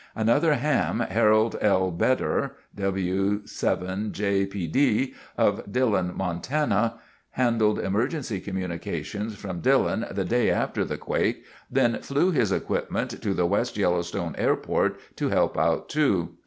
Another ham, Harold L. Beddor, (W7JPD), of Dillon, Montana, handled emergency communications from Dillon the day after the quake, then flew his equipment to the West Yellowstone Airport to help out too.